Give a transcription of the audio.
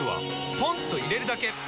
ポンと入れるだけ！